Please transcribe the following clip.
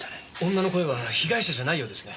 女の声は被害者じゃないようですね。